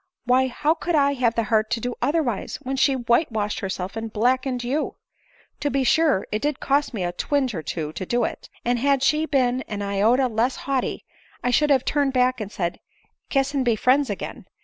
Why, how could I have the heart to do other wise, when she whitewashed herself and blackened you ? To be sure, it did cost me a twinge of * two to do it ; and had she been an iota less haughty, I should have turned back and said, * Kiss, and be friends again.'